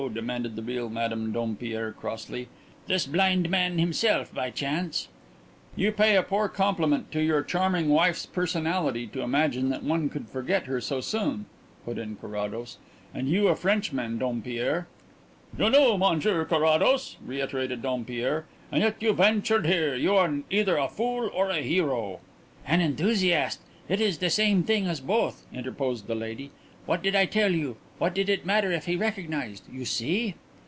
demanded the real Madame Dompierre crossly. "This blind man himself, by chance." "You pay a poor compliment to your charming wife's personality to imagine that one could forget her so soon," put in Carrados. "And you a Frenchman, Dompierre!" "You knew, Monsieur Carrados," reiterated Dompierre, "and yet you ventured here. You are either a fool or a hero." "An enthusiast it is the same thing as both," interposed the lady. "What did I tell you? What did it matter if he recognized? You see?"